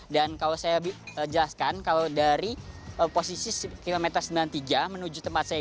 dan kalau saya jelaskan kalau dari posisi kilometer sembilan puluh tiga menuju tempat saya ini